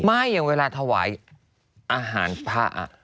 อย่างเวลาถวายอาหารพระ